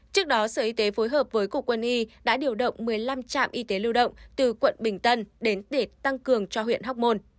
trước đó sở y tế phối hợp với cục quân y đã điều động một mươi năm trạm y tế lưu động từ quận bình tân đến để tăng cường cho huyện hóc môn